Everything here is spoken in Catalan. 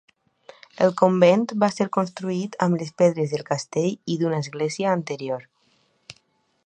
El convent va ser construït amb les pedres del castell i d'una església anterior.